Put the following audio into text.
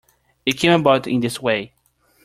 It came about in this way.